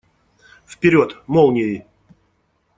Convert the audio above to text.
Вперед! Молнией!